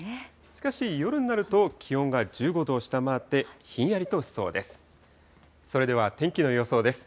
しかし、夜になると、気温が１５度を下回ってひんやりとしそうです。